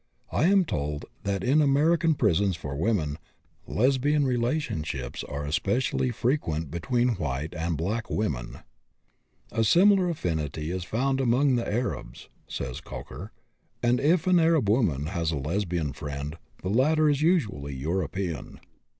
I am told that in American prisons for women Lesbian relationships are specially frequent between white and black women. A similar affinity is found among the Arabs, says Kocher; and if an Arab woman has a Lesbian friend the latter is usually European.